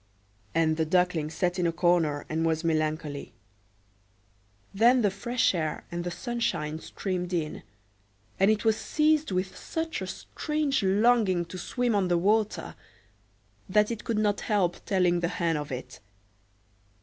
And the Duckling sat in a corner and was melancholy; then the fresh air and the sunshine streamed in; and it was seized with such a strange longing to swim on the water, that it could not help telling the Hen of it.